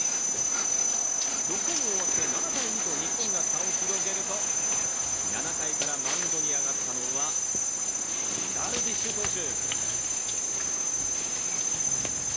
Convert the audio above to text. ６回を終わって７対２と日本が差を広げると、７回からマウンドに上がったのはダルビッシュ投手。